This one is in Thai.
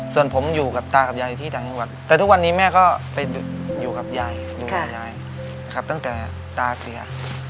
ส่วนผมอยู่กับตากับยายอยู่ที่จังหญิงวัดแต่ทุกวันนี้แม่ก็ไปอยู่กับยายตั้งแต่ตาเสีย